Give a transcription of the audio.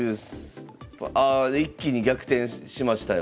ああ一気に逆転しましたよ。